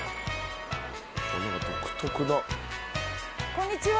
こんにちは。